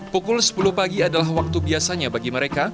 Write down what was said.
pukul sepuluh pagi adalah waktu biasanya bagi mereka